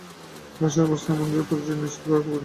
লাশটির অবস্থা এমন যে এর পরিচয় নিশ্চিত করা খুব কঠিন হয়ে পড়েছে।